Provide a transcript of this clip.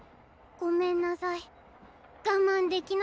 ごめんなさい。